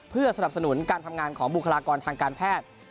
เพื่อสนับสนุนการทำงานของบุคลากรทางการแพทย์